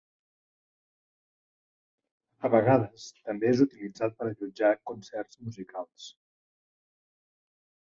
A vegades, també és utilitzat per allotjar concerts musicals.